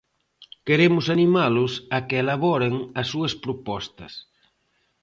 Queremos animalos a que elaboren as súas propostas.